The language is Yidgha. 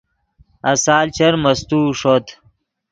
آسال چر مستوؤ ݰوت